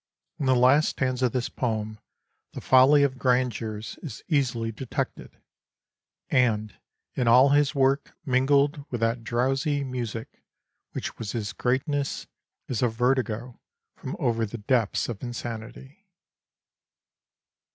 In the last stanza of this poem the folly of grandeurs is easily detected; and in all his work, mingled with that drowsy music which was his greatness, is a vertigo from over the depths of insanity.